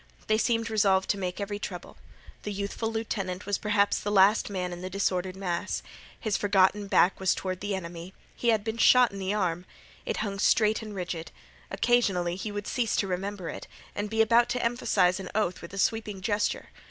They seemed resolved to make every trouble. The youthful lieutenant was perhaps the last man in the disordered mass. His forgotten back was toward the enemy. He had been shot in the arm. It hung straight and rigid. Occasionally he would cease to remember it, and be about to emphasize an oath with a sweeping gesture.